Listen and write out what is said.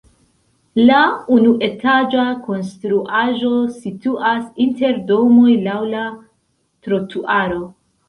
La unuetaĝa konstruaĵo situas inter domoj laŭ la trotuaro.